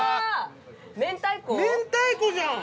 明太子じゃん！